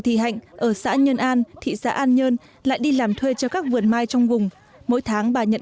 thị hạnh ở xã nhân an thị xã an nhơn lại đi làm thuê cho các vườn mai trong vùng mỗi tháng bà nhận